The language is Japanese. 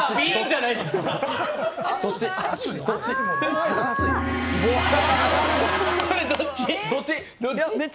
どっち？